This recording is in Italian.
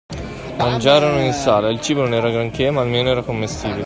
Mangiarono in sala: il cibo non era granché, ma almeno era commestibile.